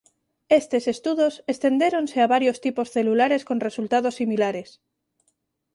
Estes estudos estendéronse a varios tipos celulares con resultados similares.